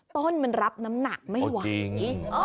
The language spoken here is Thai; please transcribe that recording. ต้นมันรับน้ำหนักไม่ไหว